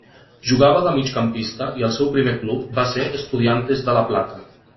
Jugava de migcampista i el seu primer club va ser Estudiantes de la Plata.